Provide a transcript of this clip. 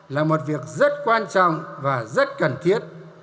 là một việc rất quan trọng và rất cần thiết